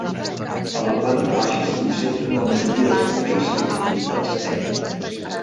A la planta baixa es concentren la majoria de serveis i activitats tècniques.